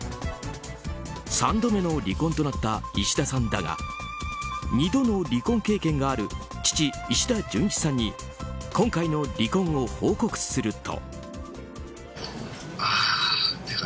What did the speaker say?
３度目の離婚となったいしださんだが２度の離婚経験がある父・石田純一さんに今回の離婚を報告すると。